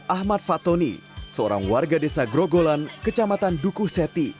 ahmad fatoni seorang warga desa grogolan kecamatan dukuh seti